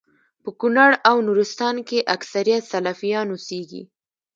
په کونړ او نورستان کي اکثريت سلفيان اوسيږي